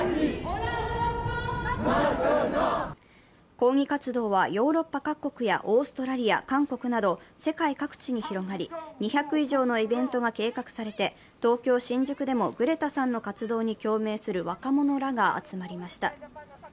抗議活動はヨーロッパ各国やオーストラリア、韓国など世界各地に広がり２００以上のイベントが計画されて、東京・新宿でもグレタさんの活動に共鳴する若者らが集まりました。